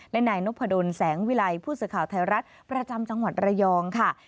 และนายนพดลแสงวิลัยผู้สื่อข่าวไทยรัฐประจำจังหวัดระยองค่ะ